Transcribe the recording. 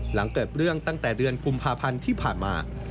หลังเกิดเรื่องตั้งแต่เดือนกุมภาพันธ์ที่ผ่านมา